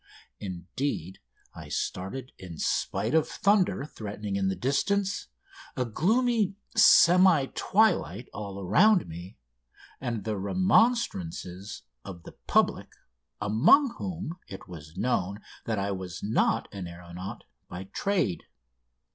Indeed, I started in spite of thunder threatening in the distance, a gloomy semi twilight all around me, and the remonstrances of the public, among whom it was known that I was not an aeronaut by trade.